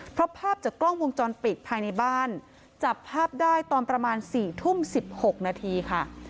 เพราะภาพจากกล้องวงจรปิดภายในบ้านจับภาพได้ตอนประมาณ๔ทุ่ม๑๖นาทีค่ะ